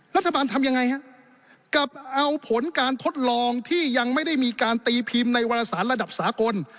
รัฐบาลทำยังไงฮะกับเอาผลการทดลองที่ยังไม่ได้มีการตีพิมพ์ในวารสารระดับสากล